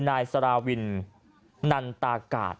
นายสาราวินนันตากาศ